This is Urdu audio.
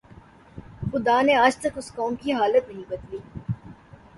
خدا نے آج تک اس قوم کی حالت نہیں بدلی